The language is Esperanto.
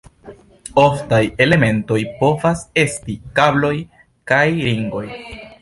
Oftaj elementoj povas esti kabloj, kaj ringoj.